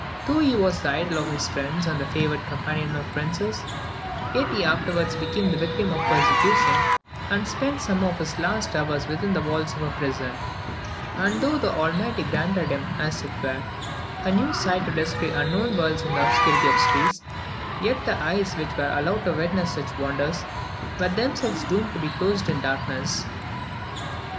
Though he was the idol of his friends, and the favoured companion of princes, yet he afterwards became the victim of persecution, and spent some of his last hours within the walls of a prison; and though the Almighty granted him, as it were, a new sight to descry unknown worlds in the obscurity of space, yet the eyes which were allowed to witness such wonders, were themselves doomed to be closed in darkness.